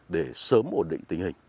để sớm ổn định tình hình